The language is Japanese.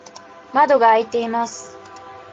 窓が開いています。